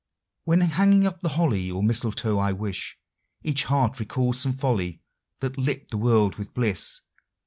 When hanging up the holly or mistletoe, I wis Each heart recalls some folly that lit the world with bliss.